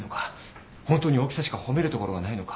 本当に大きさしか褒めるところがないのか。